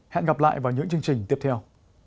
hẹn gặp lại vào những chương trình tiếp theo